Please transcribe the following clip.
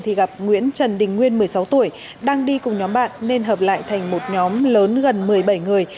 thì gặp nguyễn trần đình nguyên một mươi sáu tuổi đang đi cùng nhóm bạn nên hợp lại thành một nhóm lớn gần một mươi bảy người